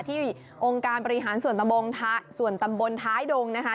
ที่องค์การบริหารส่วนตำบลท้ายดงนะคะ